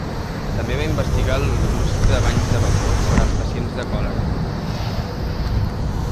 També va investigar l'ús de banys de vapor per als pacients de còlera.